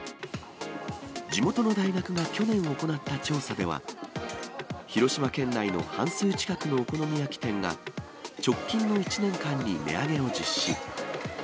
地元の大学が去年行った調査では、広島県内の半数近くのお好み焼き店が、直近の１年間に値上げを実施。